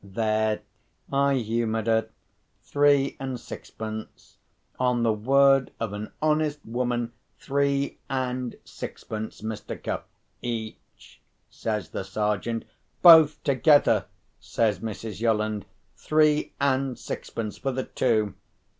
There! I humoured her. Three and sixpence. On the word of an honest woman, three and sixpence, Mr. Cuff!" "Each?" says the Sergeant. "Both together!" says Mrs. Yolland. "Three and sixpence for the two."